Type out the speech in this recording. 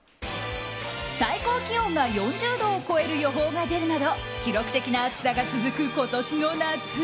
最高気温が４０度を超える予報が出るなど記録的な暑さが続く今年の夏。